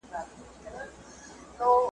ته به یې او زه به نه یم ,